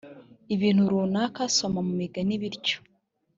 ibintu runaka soma mu migani bityo